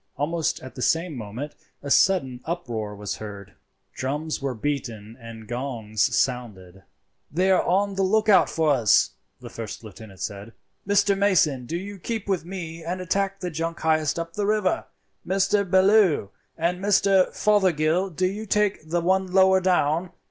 Almost at the same moment a sudden uproar was heard—drums were beaten and gongs sounded. "They are on the look out for us," the first lieutenant said. "Mr. Mason, do you keep with me and attack the junk highest up the river; Mr. Bellew and Mr. Fothergill, do you take the one lower down.